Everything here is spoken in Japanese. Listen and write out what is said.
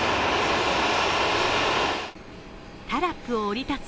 タラップを降り立つ